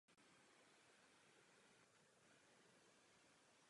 To však způsobilo poškození zdiva a byla nutná sanace.